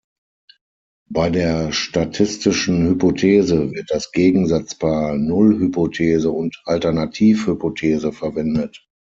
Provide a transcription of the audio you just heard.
Bei der statistischen Hypothese wird das Gegensatzpaar Nullhypothese und Alternativhypothese verwendet.